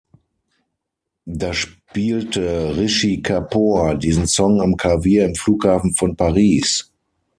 Da spielte Rishi Kapoor diesen Song am Klavier im Flughafen von Paris.